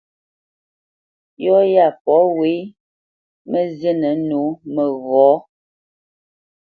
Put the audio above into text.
Yɔ́ yá pɔ̂ wé mǝ́ zínǝ́ nǒ məghɔ̌.